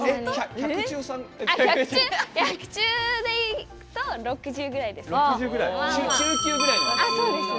１００中でいうと６０ぐらいですね。